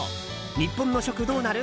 日本の食どうなる？